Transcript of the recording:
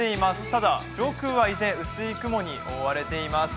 ただ上空は依然、薄い雲に覆われています。